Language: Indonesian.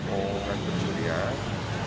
oh bukan pencurian